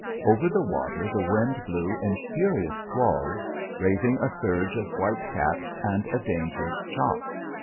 Over the water the wind blew in furious squalls raising a surge of white caps and a dangerous chop.